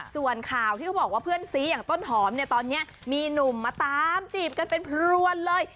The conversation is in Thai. ส่วนข่าวที่เขาบอกว่าเพื่อนซีอย่างต้นหอมเนี่ยตอนนี้มีหนุ่มมาตามจีบกันเป็นพรวนเลย